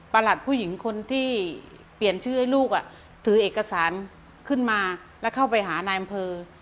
หลัดผู้หญิงคนที่เปลี่ยนชื่อให้ลูกถือเอกสารขึ้นมาแล้วเข้าไปหานายอำเภอ